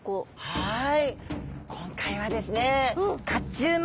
はい。